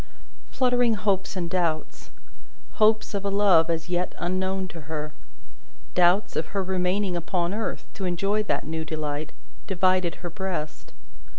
Fluttering hopes and doubts hopes, of a love as yet unknown to her: doubts, of her remaining upon earth, to enjoy that new delight divided her breast.